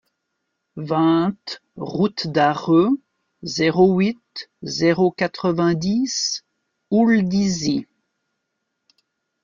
vingt route d'Arreux, zéro huit, zéro quatre-vingt-dix, Houldizy